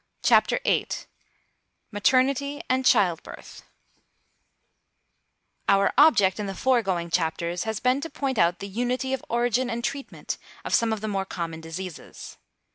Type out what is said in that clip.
CHAPTER VIII MATERNITY AND CHILD BIRTH Our object in the foregoing chapters has been to point out the unity of origin and treatment of some of the more common diseases.